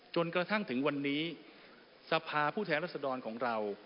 จนกระทั่งถึงวันนี้สภาผู้แทนรัศดรของเรา